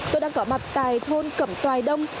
tôi đang có mặt tại thôn cẩm toài đông